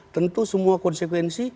tentu semua konsekuensi